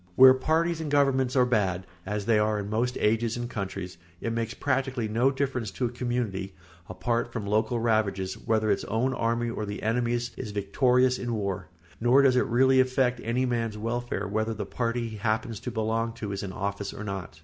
Where parties and governments are bad, as they are in most ages and countries, it makes practically no difference to a community, apart from local ravages, whether its own army or the enemy's is victorious in war, nor does it really affect any man's welfare whether the party he happens to belong to is in office or not.